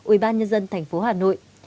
ubnd tp hà nội